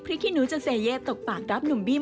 กุ๊บกิ๊บขอสงวนท่าที่ให้เวลาเป็นเครื่องท่าที่สุดไปก่อน